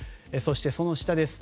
そして、その下。